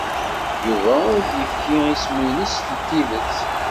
Yuba ur d-yefki isem-nnes n tidet.